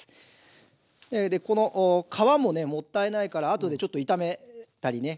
この皮もねもったいないからあとでちょっと炒めたりね。